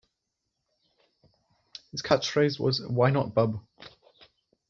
His catchphrase was Why not, Bubbe?